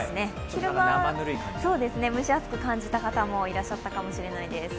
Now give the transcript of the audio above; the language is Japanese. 昼間、蒸し暑く感じた方もいらっしゃったかもしれないです。